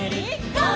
ゴー！」